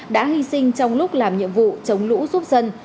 đã hy sinh trong lúc làm nhiệm vụ chống lũ giúp dân